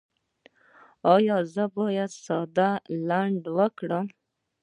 ایا زه باید ساه لنډه کړم؟